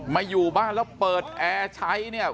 อยู่บ้านแล้วเปิดแอร์ใช้เนี่ย